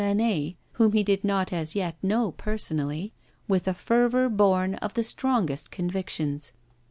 Manet whom he did not as yet know personally with a fervour born of the strongest convictions.